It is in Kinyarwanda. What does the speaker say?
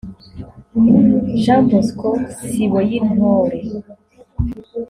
Jean Bosco Siboyintore